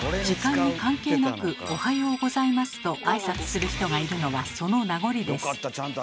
時間に関係なく「おはようございます」と挨拶する人がいるのはその名残です。